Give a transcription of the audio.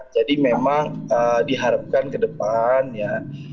jadi memang diharapkan ke depan ya